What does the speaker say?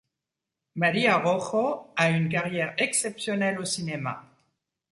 María Rojo a une carrière exceptionnelle au cinéma.